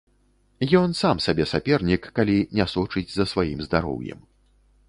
Ён сам сабе сапернік, калі не сочыць за сваім здароўем.